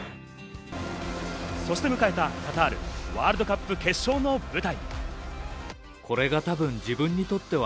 そして迎えたカタールワールドカップ決勝の舞台。